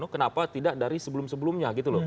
kenapa tidak dari sebelum sebelumnya